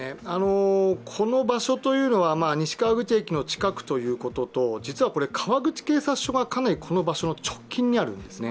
この場所というのは西川口駅の近くということと実は川口警察署がかなりこの場所の直近にあるんですね。